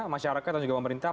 masyarakat dan juga pemerintah